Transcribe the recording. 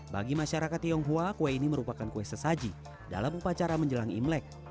bagi masyarakat tionghoa kue ini merupakan kue sesaji dalam upacara menjelang imlek